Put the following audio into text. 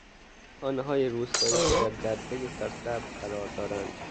خانههای روستایی که در درهی سرسبز قرار دارند